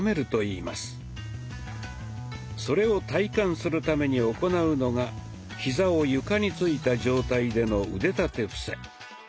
それを体感するために行うのがひざを床についた状態での腕立て伏せ。